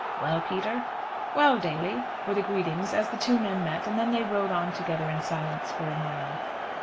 "Well, Peter." "Well, Daly," were the greetings, as the two men met; and then they rode on together in silence for a mile.